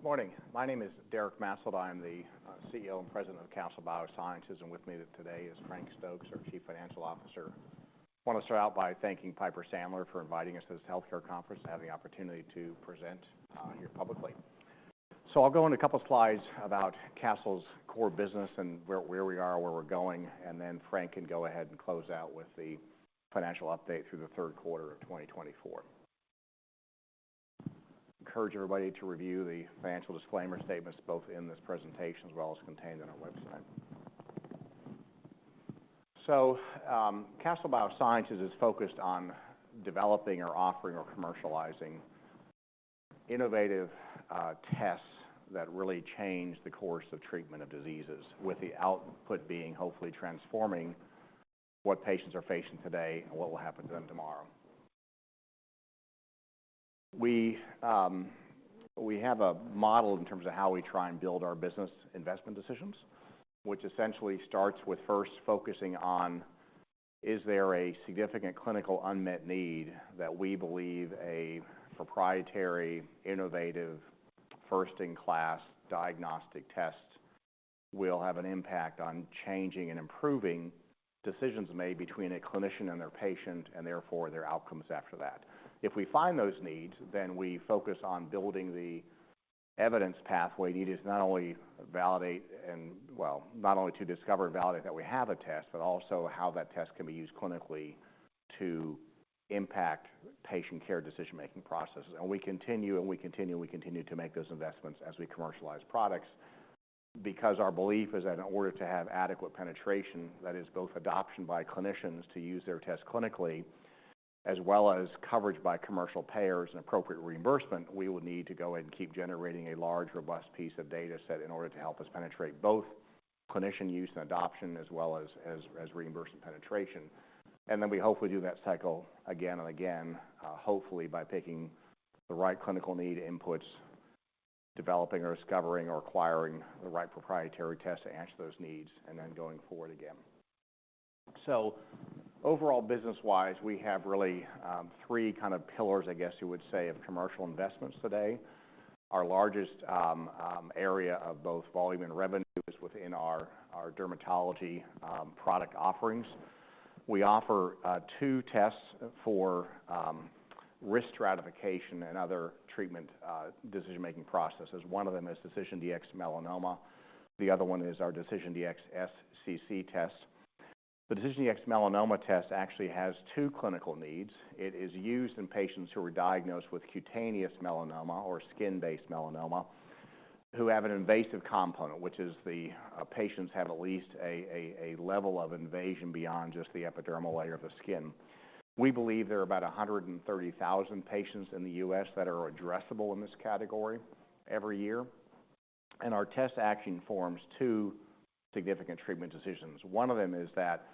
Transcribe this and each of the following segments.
Good morning. My name is Derek Maetzold. I'm the CEO and President of Castle Biosciences, and with me today is Frank Stokes, our Chief Financial Officer. I want to start out by thanking Piper Sandler for inviting us to this healthcare conference and having the opportunity to present here publicly. So I'll go into a couple of slides about Castle's core business and where we are, where we're going, and then Frank can go ahead and close out with the financial update through the third quarter of 2024. I encourage everybody to review the financial disclaimer statements both in this presentation as well as contained on our website. So Castle Biosciences is focused on developing or offering or commercializing innovative tests that really change the course of treatment of diseases, with the output being hopefully transforming what patients are facing today and what will happen to them tomorrow. We have a model in terms of how we try and build our business investment decisions, which essentially starts with first focusing on, is there a significant clinical unmet need that we believe a proprietary, innovative, first-in-class diagnostic test will have an impact on changing and improving decisions made between a clinician and their patient and therefore their outcomes after that. If we find those needs, then we focus on building the evidence pathway needed to not only discover and validate that we have a test, but also how that test can be used clinically to impact patient care decision-making processes. We continue, and we continue, and we continue to make those investments as we commercialize products because our belief is that in order to have adequate penetration, that is, both adoption by clinicians to use their test clinically as well as coverage by commercial payers and appropriate reimbursement, we would need to go ahead and keep generating a large, robust piece of data set in order to help us penetrate both clinician use and adoption as well as reimbursement penetration. We hopefully do that cycle again and again, hopefully by picking the right clinical need inputs, developing or discovering or acquiring the right proprietary test to answer those needs, and then going forward again. Overall, business-wise, we have really three kind of pillars, I guess you would say, of commercial investments today. Our largest area of both volume and revenue is within our dermatology product offerings. We offer two tests for risk stratification and other treatment decision-making processes. One of them is DecisionDx-Melanoma. The other one is our DecisionDx-SCC test. The DecisionDx-Melanoma test actually has two clinical needs. It is used in patients who are diagnosed with cutaneous melanoma or skin-based melanoma who have an invasive component, which is the patients have at least a level of invasion beyond just the epidermal layer of the skin. We believe there are about 130,000 patients in the U.S. that are addressable in this category every year. And our test actually informs two significant treatment decisions. One of them is that,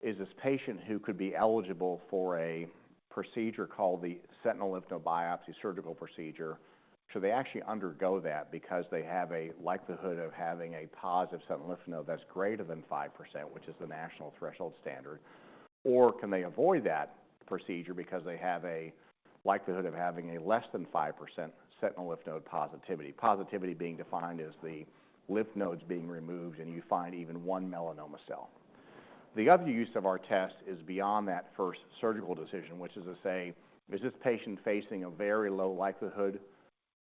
is this patient who could be eligible for a procedure called the sentinel lymph node biopsy surgical procedure, should they actually undergo that because they have a likelihood of having a positive sentinel lymph node that's greater than 5%, which is the national threshold standard? Or can they avoid that procedure because they have a likelihood of having a less than 5% sentinel lymph node positivity? Positivity being defined as the lymph nodes being removed and you find even one melanoma cell. The other use of our test is beyond that first surgical decision, which is to say, is this patient facing a very low likelihood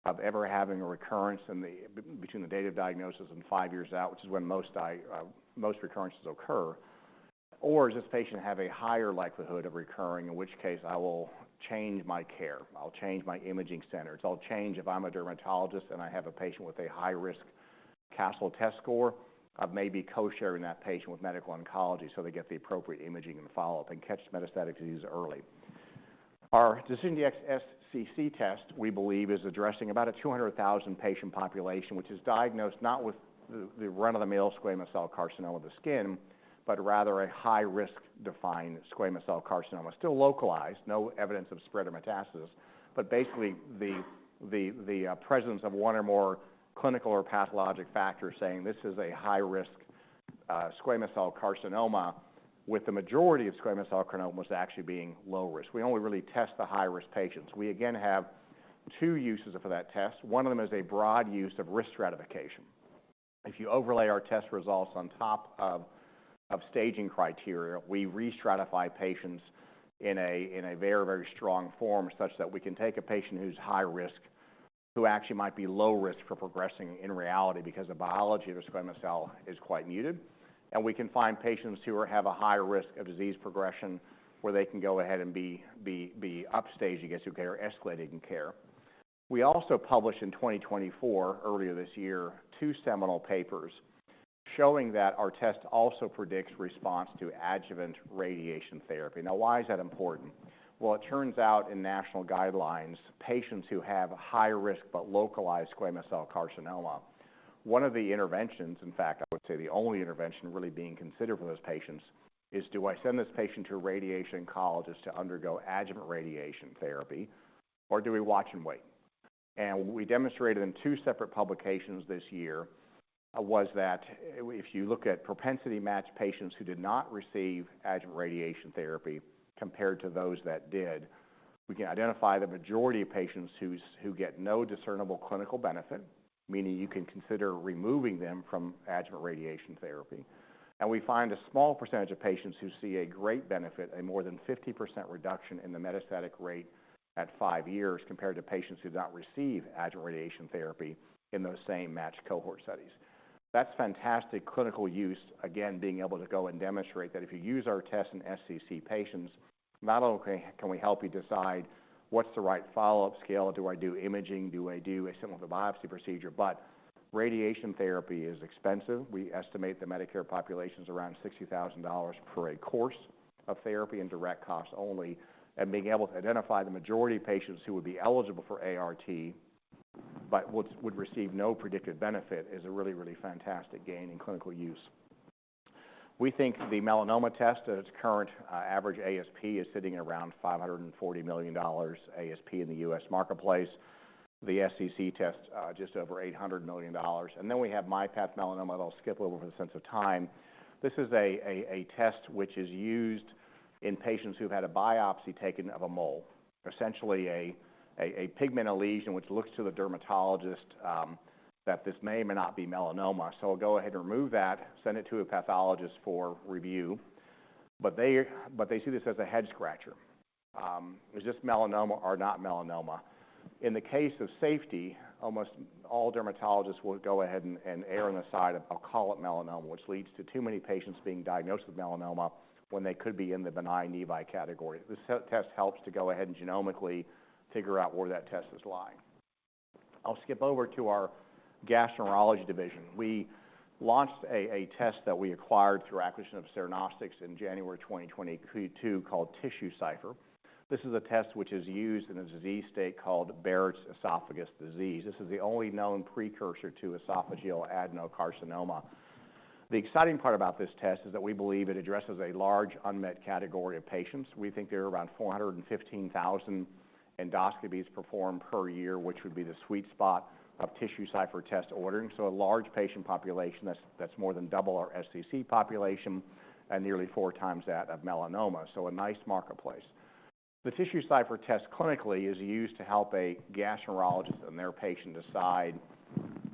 of ever having a recurrence between the date of diagnosis and five years out, which is when most recurrences occur? Or does this patient have a higher likelihood of recurring, in which case I will change my care. I'll change my imaging centers. I'll change if I'm a dermatologist and I have a patient with a high-risk Castle test score, I may be co-sharing that patient with medical oncology so they get the appropriate imaging and follow-up and catch metastatic disease early. Our DecisionDx-SCC test, we believe, is addressing about a 200,000-patient population, which is diagnosed not with the run-of-the-mill squamous cell carcinoma of the skin, but rather a high-risk-defined squamous cell carcinoma. Still localized, no evidence of spread or metastasis, but basically the presence of one or more clinical or pathologic factors saying this is a high-risk squamous cell carcinoma with the majority of squamous cell carcinomas actually being low-risk. We only really test the high-risk patients. We again have two uses for that test. One of them is a broad use of risk stratification. If you overlay our test results on top of staging criteria, we re-stratify patients in a very, very strong form such that we can take a patient who's high risk who actually might be low risk for progressing in reality because the biology of the squamous cell is quite muted. And we can find patients who have a higher risk of disease progression where they can go ahead and be upstaged, I guess you could say, or escalated in care. We also published in 2024, earlier this year, two seminal papers showing that our test also predicts response to adjuvant radiation therapy. Now, why is that important? Well, it turns out in national guidelines, patients who have high-risk but localized squamous cell carcinoma, one of the interventions, in fact, I would say the only intervention really being considered for those patients is, do I send this patient to a radiation oncologist to undergo adjuvant radiation therapy, or do we watch and wait? What we demonstrated in two separate publications this year was that if you look at propensity-matched patients who did not receive adjuvant radiation therapy compared to those that did, we can identify the majority of patients who get no discernible clinical benefit, meaning you can consider removing them from adjuvant radiation therapy. We find a small percentage of patients who see a great benefit, a more than 50% reduction in the metastatic rate at five years compared to patients who did not receive adjuvant radiation therapy in those same matched cohort studies. That's fantastic clinical use, again, being able to go and demonstrate that if you use our test in SCC patients, not only can we help you decide what's the right follow-up scale, do I do imaging, do I do a sentinel biopsy procedure, but radiation therapy is expensive. We estimate the Medicare population is around $60,000 for a course of therapy and direct cost only. And being able to identify the majority of patients who would be eligible for ART but would receive no predicted benefit is a really, really fantastic gain in clinical use. We think the melanoma test at its current average ASP is sitting at around $540 million ASP in the U.S. marketplace. The SCC test just over $800 million. And then we have MyPath Melanoma. I'll skip over for the sense of time. This is a test which is used in patients who've had a biopsy taken of a mole, essentially a pigmented lesion which looks to the dermatologist that this may or may not be melanoma. So we'll go ahead and remove that, send it to a pathologist for review, but they see this as a head-scratcher. Is this melanoma or not melanoma? In the case of safety, almost all dermatologists will go ahead and err on the side of, "I'll call it melanoma," which leads to too many patients being diagnosed with melanoma when they could be in the benign nevi category. This test helps to go ahead and genomically figure out where that test is lying. I'll skip over to our gastroenterology division. We launched a test that we acquired through acquisition of Cernostics in January 2022 called TissueCypher. This is a test which is used in a disease state called Barrett's esophagus disease. This is the only known precursor to esophageal adenocarcinoma. The exciting part about this test is that we believe it addresses a large unmet category of patients. We think there are around 415,000 endoscopies performed per year, which would be the sweet spot of TissueCypher test ordering. A large patient population that's more than double our SCC population and nearly four times that of melanoma. A nice marketplace. The TissueCypher test clinically is used to help a gastroenterologist and their patient decide,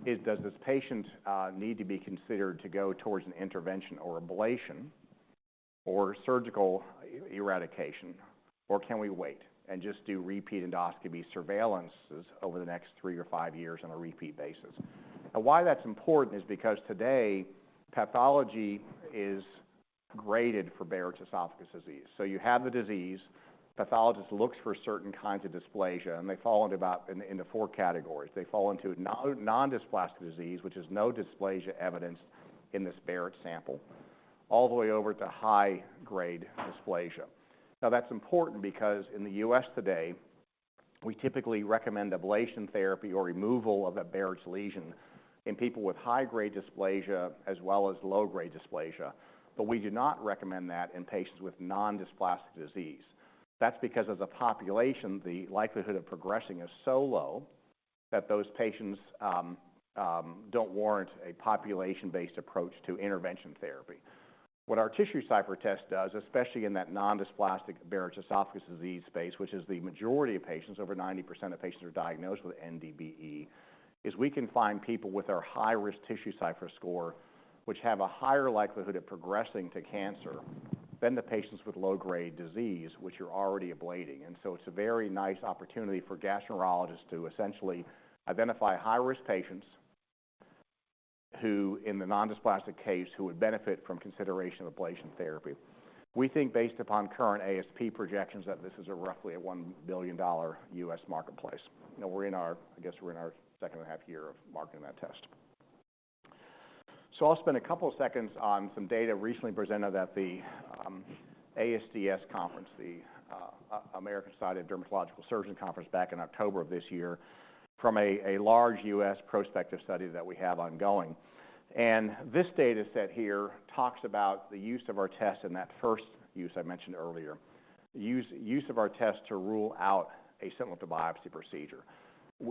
"Does this patient need to be considered to go towards an intervention or ablation or surgical eradication, or can we wait and just do repeat endoscopy surveillances over the next three or five years on a repeat basis?" Why that's important is because today pathology is graded for Barrett's esophagus disease. You have the disease. A pathologist looks for certain kinds of dysplasia, and they fall into about four categories. They fall into non-dysplastic disease, which is no dysplasia evidenced in this Barrett's sample, all the way over to high-grade dysplasia. Now, that's important because in the U.S. today, we typically recommend ablation therapy or removal of a Barrett's lesion in people with high-grade dysplasia as well as low-grade dysplasia, but we do not recommend that in patients with non-dysplastic disease. That's because as a population, the likelihood of progressing is so low that those patients don't warrant a population-based approach to intervention therapy. What our TissueCypher test does, especially in that non-dysplastic Barrett's esophagus disease space, which is the majority of patients, over 90% of patients are diagnosed with NDBE, is we can find people with our high-risk TissueCypher score, which have a higher likelihood of progressing to cancer than the patients with low-grade disease, which you're already ablating. And so it's a very nice opportunity for gastroenterologists to essentially identify high-risk patients who in the non-dysplastic case who would benefit from consideration of ablation therapy. We think based upon current ASP projections that this is roughly a $1 billion U.S. marketplace. And we're in our, I guess we're in our second and a half year of marketing that test. So I'll spend a couple of seconds on some data recently presented at the ASDS conference, the American Society for Dermatologic Surgery Conference back in October of this year from a large U.S. prospective study that we have ongoing. And this data set here talks about the use of our test and that first use I mentioned earlier, use of our test to rule out a sentinel biopsy procedure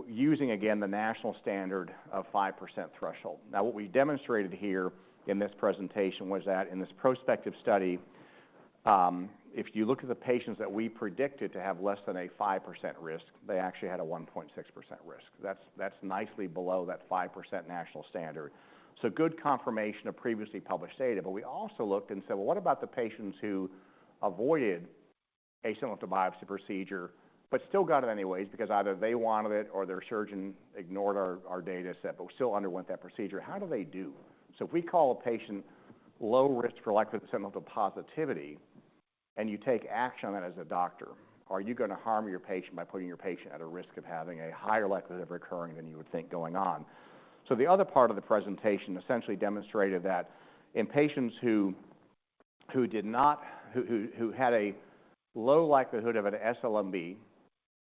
using, again, the national standard of 5% threshold. Now, what we demonstrated here in this presentation was that in this prospective study, if you look at the patients that we predicted to have less than a 5% risk, they actually had a 1.6% risk. That's nicely below that 5% national standard. So good confirmation of previously published data. But we also looked and said, "Well, what about the patients who avoided a sentinel biopsy procedure but still got it anyways because either they wanted it or their surgeon ignored our data set, but still underwent that procedure? How do they do?" So if we call a patient low risk for likelihood of sentinel positivity and you take action on that as a doctor, are you going to harm your patient by putting your patient at a risk of having a higher likelihood of recurring than you would think going on? The other part of the presentation essentially demonstrated that in patients who had a low likelihood of an SLNB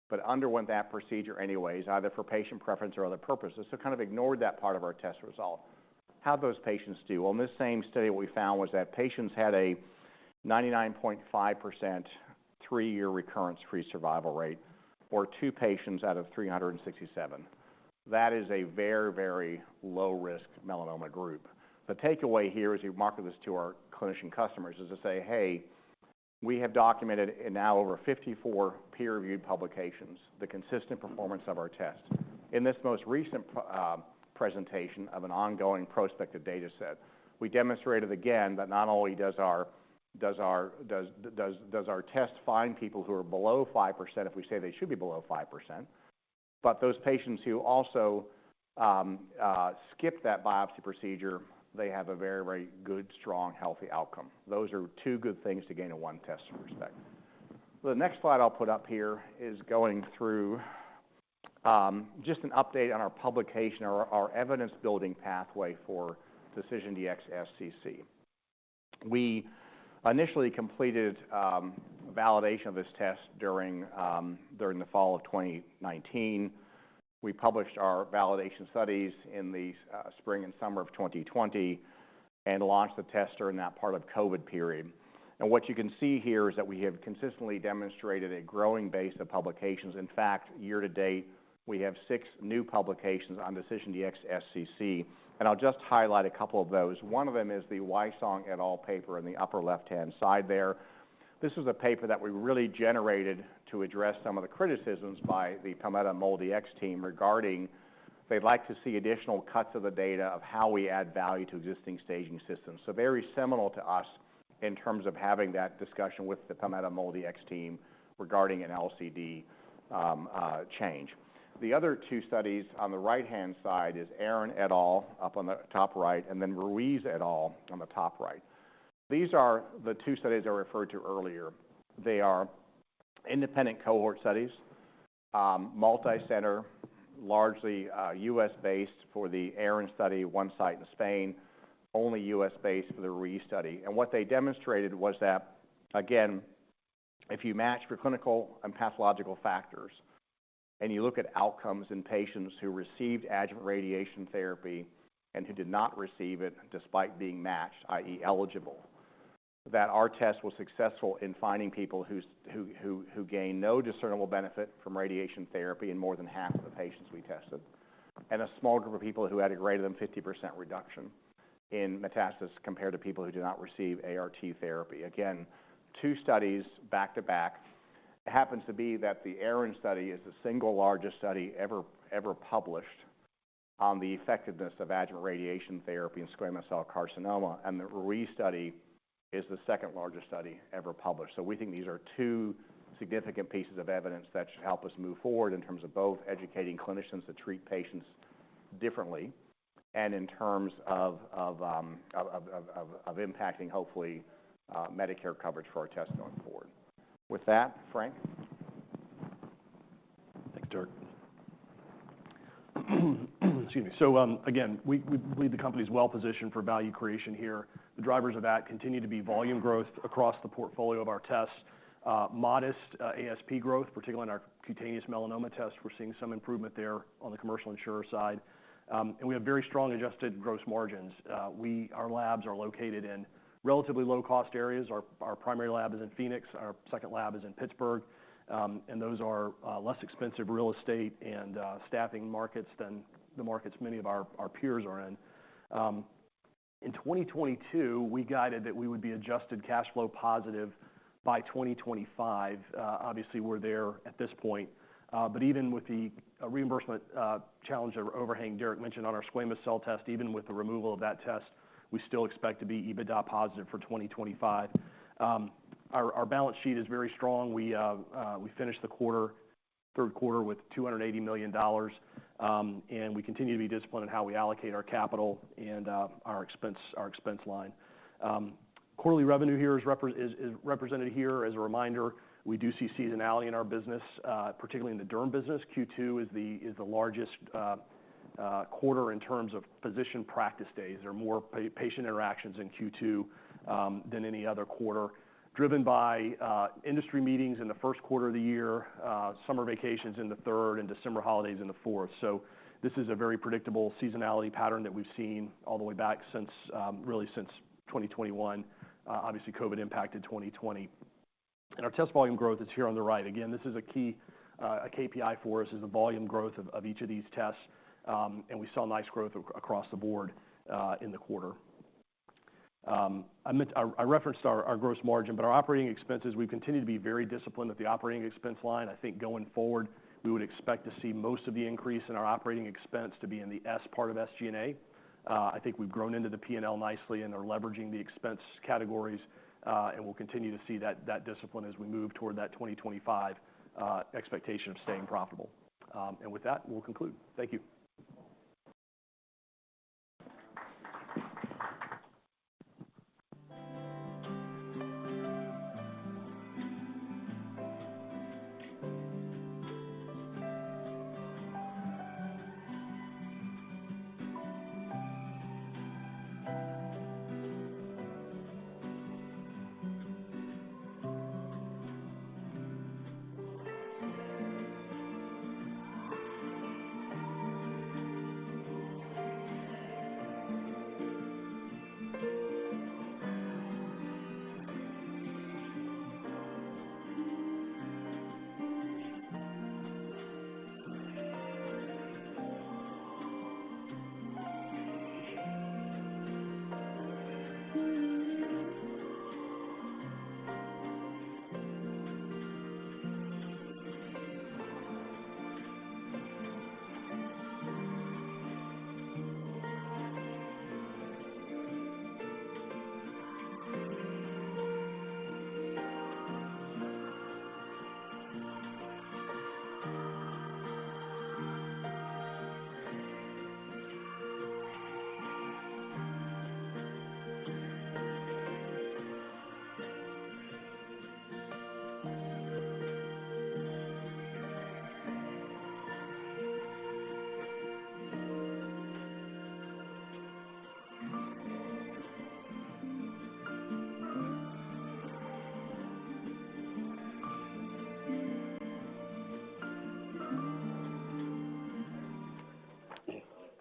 but underwent that procedure anyways, either for patient preference or other purposes, so kind of ignored that part of our test result, how those patients do. In this same study, what we found was that patients had a 99.5% three-year recurrence-free survival rate for two patients out of 367. That is a very, very low-risk melanoma group. The takeaway here is we market this to our clinician customers as to say, "Hey, we have documented in now over 54 peer-reviewed publications the consistent performance of our test." In this most recent presentation of an ongoing prospective data set, we demonstrated again that not only does our test find people who are below 5% if we say they should be below 5%, but those patients who also skip that biopsy procedure, they have a very, very good, strong, healthy outcome. Those are two good things to gain a one test from respect. The next slide I'll put up here is going through just an update on our publication, our evidence-building pathway for DecisionDx-SCC. We initially completed validation of this test during the fall of 2019. We published our validation studies in the spring and summer of 2020 and launched the test during that part of COVID period. What you can see here is that we have consistently demonstrated a growing base of publications. In fact, year to date, we have six new publications on DecisionDx-SCC. And I'll just highlight a couple of those. One of them is the Wysong et al. paper in the upper left-hand side there. This was a paper that we really generated to address some of the criticisms by the Palmetto MolDX team regarding they'd like to see additional cuts of the data of how we add value to existing staging systems. So very seminal to us in terms of having that discussion with the Palmetto MolDX team regarding an LCD change. The other two studies on the right-hand side is Arron et al. up on the top right, and then Ruiz et al. on the top right. These are the two studies I referred to earlier. They are independent cohort studies, multi-center, largely U.S.-based for the Arron study, one site in Spain, only U.S.-based for the Ruiz study, and what they demonstrated was that, again, if you match for clinical and pathological factors and you look at outcomes in patients who received adjuvant radiation therapy and who did not receive it despite being matched, i.e., eligible, that our test was successful in finding people who gained no discernible benefit from radiation therapy in more than half of the patients we tested and a small group of people who had a greater than 50% reduction in metastasis compared to people who did not receive ART therapy. Again, two studies back to back. It happens to be that the Arron study is the single largest study ever published on the effectiveness of adjuvant radiation therapy in squamous cell carcinoma, and the Ruiz study is the second largest study ever published. So we think these are two significant pieces of evidence that should help us move forward in terms of both educating clinicians to treat patients differently and in terms of impacting, hopefully, Medicare coverage for our test going forward. With that, Frank. Thanks, Derek. Excuse me. So again, we believe the company's well-positioned for value creation here. The drivers of that continue to be volume growth across the portfolio of our tests, modest ASP growth, particularly in our cutaneous melanoma test. We're seeing some improvement there on the commercial insurer side. And we have very strong adjusted gross margins. Our labs are located in relatively low-cost areas. Our primary lab is in Phoenix. Our second lab is in Pittsburgh, and those are less expensive real estate and staffing markets than the markets many of our peers are in. In 2022, we guided that we would be adjusted cash flow positive by 2025. Obviously, we're there at this point, but even with the reimbursement challenge that overhang Derek mentioned on our squamous cell test, even with the removal of that test, we still expect to be EBITDA positive for 2025. Our balance sheet is very strong. We finished the quarter, third quarter with $280 million, and we continue to be disciplined in how we allocate our capital and our expense line. Quarterly revenue here is represented here. As a reminder, we do see seasonality in our business, particularly in the derm business. Q2 is the largest quarter in terms of physician practice days. There are more patient interactions in Q2 than any other quarter, driven by industry meetings in the first quarter of the year, summer vacations in the third, and December holidays in the fourth. So this is a very predictable seasonality pattern that we've seen all the way back since really since 2021. Obviously, COVID impacted 2020. And our test volume growth is here on the right. Again, this is a key KPI for us is the volume growth of each of these tests. And we saw nice growth across the board in the quarter. I referenced our gross margin, but our operating expenses, we've continued to be very disciplined at the operating expense line. I think going forward, we would expect to see most of the increase in our operating expense to be in the S part of SG&A. I think we've grown into the P&L nicely and are leveraging the expense categories. And we'll continue to see that discipline as we move toward that 2025 expectation of staying profitable. And with that, we'll conclude. Thank you.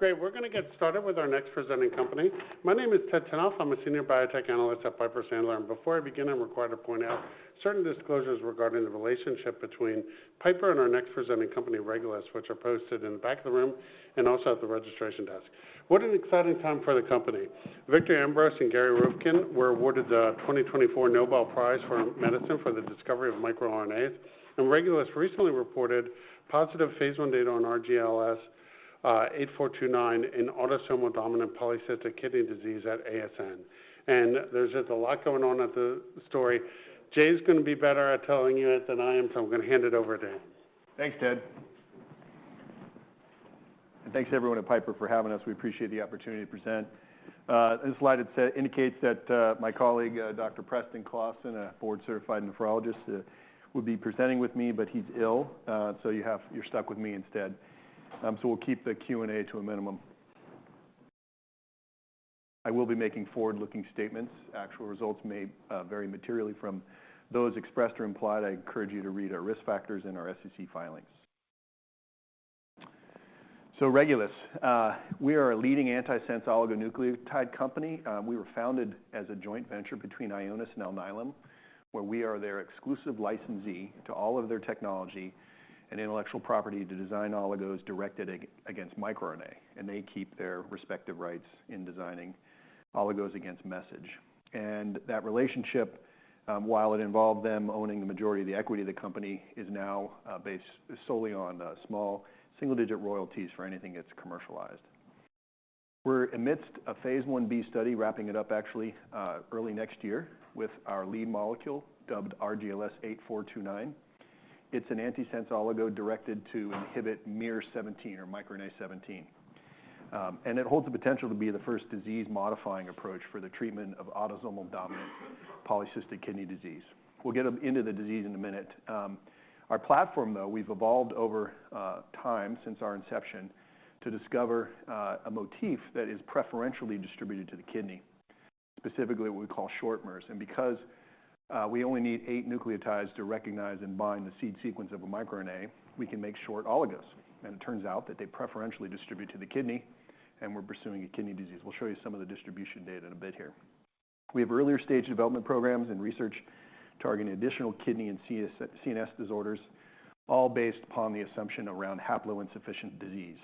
Great. We're going to get started with our next presenting company. My name is Ted Tenthoff. I'm a senior biotech analyst at Piper Sandler. And before I begin, I'm required to point out certain disclosures regarding the relationship between Piper and our next presenting company, Regulus, which are posted in the back of the room and also at the registration desk. What an exciting time for the company. Victor Ambros and Gary Ruvkun were awarded the 2024 Nobel Prize for Medicine for the discovery of microRNAs. And Regulus recently reported positive phase I data on RGLS 8429 in autosomal dominant polycystic kidney disease at ASN. There's a lot going on at the story. Jay's going to be better at telling you it than I am, so I'm going to hand it over to him. Thanks, Ted. And thanks to everyone at Piper for having us. We appreciate the opportunity to present. This slide indicates that my colleague, Dr. Preston Klassen, a board-certified nephrologist, would be presenting with me, but he's ill, so you're stuck with me instead. So we'll keep the Q&A to a minimum. I will be making forward-looking statements. Actual results may vary materially from those expressed or implied. I encourage you to read our risk factors and our SEC filings. So Regulus, we are a leading antisense oligonucleotide company. We were founded as a joint venture between Ionis and Alnylam, where we are their exclusive licensee to all of their technology and intellectual property to design oligos directed against microRNA. And they keep their respective rights in designing oligos against messenger RNA. And that relationship, while it involved them owning the majority of the equity of the company, is now based solely on small single-digit royalties for anything that's commercialized. We're amidst a phase 1B study wrapping it up, actually, early next year with our lead molecule dubbed RGLS 8429. It's an antisense oligo directed to inhibit miR-17 or microRNA-17. And it holds the potential to be the first disease-modifying approach for the treatment of autosomal dominant polycystic kidney disease. We'll get into the disease in a minute. Our platform, though, we've evolved over time since our inception to discover a motif that is preferentially distributed to the kidney, specifically what we call short miRs. And because we only need eight nucleotides to recognize and bind the seed sequence of a microRNA, we can make short oligos. It turns out that they preferentially distribute to the kidney, and we're pursuing a kidney disease. We'll show you some of the distribution data in a bit here. We have earlier stage development programs and research targeting additional kidney and CNS disorders, all based upon the assumption around haploinsufficient disease.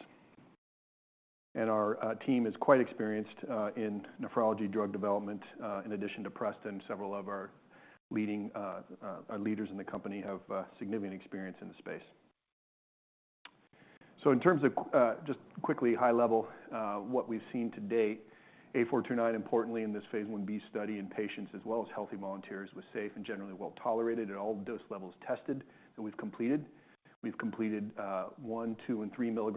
And our team is quite experienced in nephrology drug development. In addition to Preston, several of our leaders in the company have significant experience in the space. In terms of just quickly, high level, what we've seen to date, 8429, importantly, in this phase 1B study in patients as well as healthy volunteers was safe and generally well tolerated at all dose levels tested that we've completed. We've completed one, two, and three million.